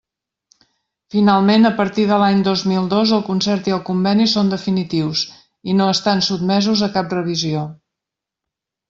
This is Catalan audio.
Finalment, a partir de l'any dos mil dos el concert i el conveni són definitius i no estan sotmesos a cap revisió.